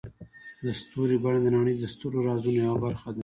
د ستوري بڼه د نړۍ د ستر رازونو یوه برخه ده.